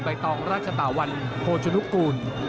ตองราชตาวันโภชนุกูล